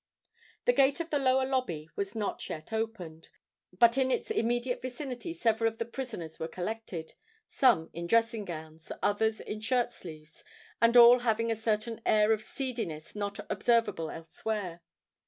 The gate of the lower lobby was not as yet opened; but in its immediate vicinity several of the prisoners were collected—some in dressing gowns, others in their shirt sleeves, and all having a certain air of seediness not observable elsewhere.